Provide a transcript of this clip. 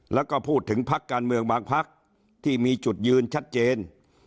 แล้วก็พูดถึงพักการเมืองบางพักที่มีจุดยืนชัดเจน